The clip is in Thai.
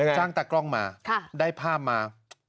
จ้างตากล้องมาได้ภาพมา